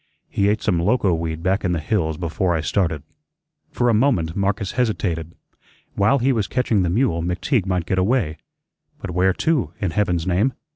"He ate some loco weed back in the hills before I started." For a moment Marcus hesitated. While he was catching the mule McTeague might get away. But where to, in heaven's name?